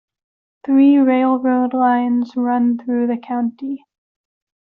Three railroad lines run through the county.